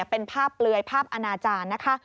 เป็นภาพเปลือยภาพอนาจารย์นะคะ